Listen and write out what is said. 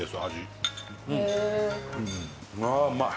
伊達：ああ、うまい。